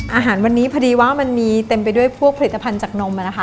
อาหารวันนี้พอดีว่ามันมีเต็มไปด้วยพวกผลิตภัณฑ์จากนมนะคะ